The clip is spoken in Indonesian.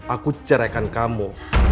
aku ceraikan kamu